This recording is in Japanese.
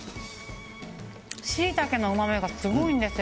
しいたけのうまみがすごいんですよ。